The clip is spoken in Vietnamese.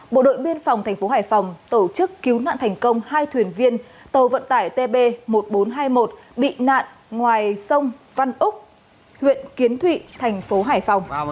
bộ đội biên phòng thành phố hải phòng tổ chức cứu nạn thành công hai thuyền viên tàu vận tải tb một nghìn bốn trăm hai mươi một bị nạn ngoài sông văn úc huyện kiến thụy thành phố hải phòng